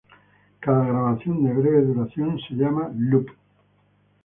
Cada grabación de breve duración es llamado "loop".